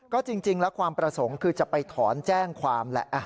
ก็จริงแล้วความประสงค์คือจะไปถอนแจ้งความแหละ